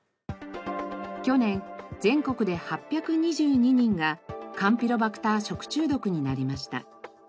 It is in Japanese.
去年全国で８２２人がカンピロバクター食中毒になりました。